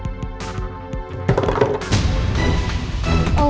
aku mau bangkit dulu